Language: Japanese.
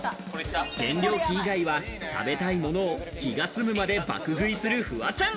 減量期以外は、食べたいものを気が済むまで爆食いするフワちゃん。